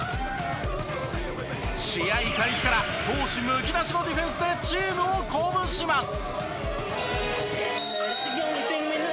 試合開始から闘志むき出しのディフェンスでチームを鼓舞します。